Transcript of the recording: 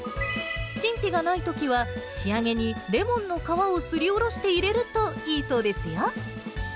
陳皮がないときは、仕上げにレモンの皮をすりおろして入れるといいそうですよ。